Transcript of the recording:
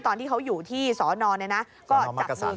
ตอนที่เขาอยู่ที่สอนอดินแดง